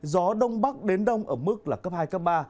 gió đông bắc đến đông ở mức là cấp hai cấp ba